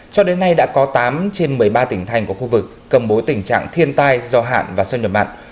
cho đến nay đã có tám trên một mươi ba tỉnh thành của khu vực cầm bối tình trạng thiên tai do hạn và xâm nhập mặn